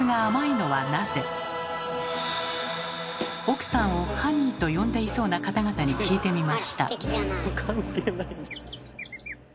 奥さんをハニーと呼んでいそうな方々に聞いてみました。